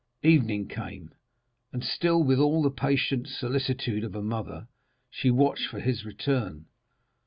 Evening came, and still, with all the patient solicitude of a mother, she watched for his return.